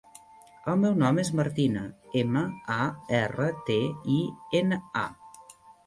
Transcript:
El meu nom és Martina: ema, a, erra, te, i, ena, a.